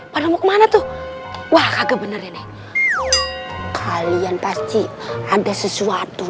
pada mau kemana tuh wah kagak benar ini kalian pasti ada sesuatu